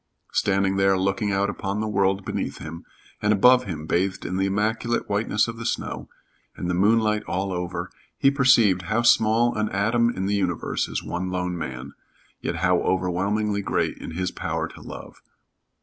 Standing there looking out upon the world beneath him and above him bathed in the immaculate whiteness of the snow, and the moonlight over all, he perceived how small an atom in the universe is one lone man, yet how overwhelmingly great in his power to love.